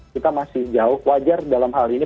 kita masih jauh wajar dalam hal ini